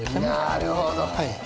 なるほど！